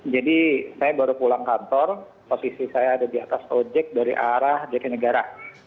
jadi saya baru pulang kantor posisi saya ada di atas ojek dari arah jg negara